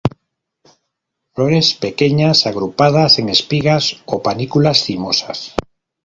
Flores pequeñas, agrupadas en espigas o panículas cimosas.